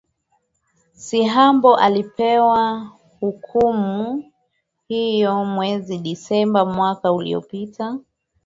siambo alipewa hukumu hiyo mwezi disemba mwaka uliopita